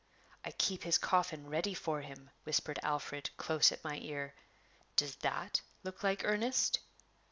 "I keep his coffin ready for him," whispered Alfred, close at my ear. "Does that look like earnest?"